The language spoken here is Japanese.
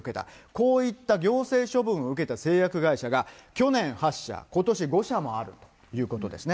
こういった行政処分を受けた製薬会社が去年８社、ことし５社もあるということですね。